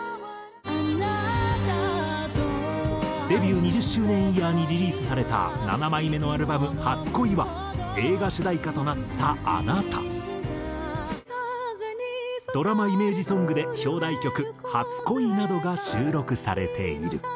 デビュー２０周年イヤーにリリースされた７枚目のアルバム『初恋』は映画主題歌となった『あなた』ドラマイメージソングで表題曲『初恋』などが収録されている。